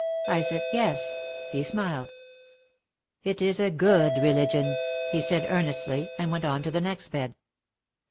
I said, "Yes." He smiled. "It is a good religion," he said earnestly and went on to the next bed.